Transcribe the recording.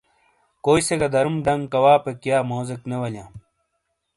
کوئی سے گہ داروم ڈنگ کواپ یا موزیک نے والیاں۔